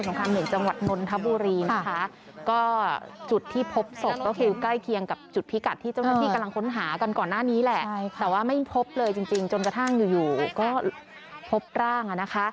มารถกดทิ้งรถกดขึ้น